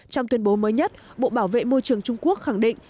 trong tuyên bố mới nhất bộ bảo vệ môi trường trung quốc khẳng định